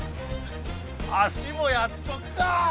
足もやっとくか！